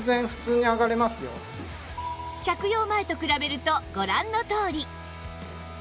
着用前と比べるとご覧のとおり